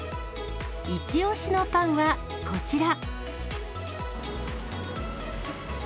一押しのパンはこちら。